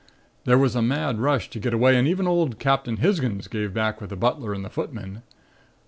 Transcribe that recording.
There was a mad rush to get away and even old Captain Hisgins gave back with the butler and the footmen.